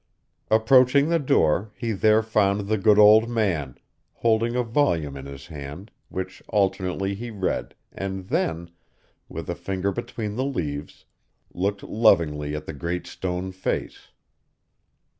Approaching the door, he there found the good old man, holding a volume in his hand, which alternately he read, and then, with a finger between the leaves, looked lovingly at the Great Stone Face.